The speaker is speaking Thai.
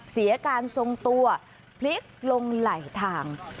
เสียการทรงตัวพลิกลงไหลทาง